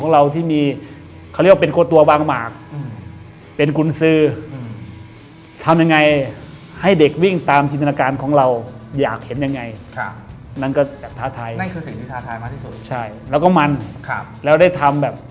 แล้วได้ทำแบบ